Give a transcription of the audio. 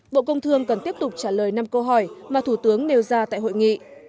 bộ công thương cần tiếp tục trả lời năm câu hỏi mà thủ tướng nêu ra tại hội nghị